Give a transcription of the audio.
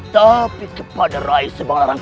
tapi kepada raih sibanglarang